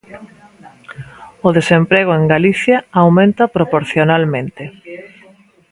O desemprego en Galicia aumenta proporcionalmente.